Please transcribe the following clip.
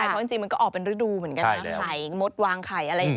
พี่ทศพรบอกว่าเดือนนึงนี้นะ